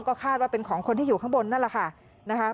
ก็คาดว่าเป็นของคนที่อยู่ข้างบนนั่นแหละค่ะนะคะ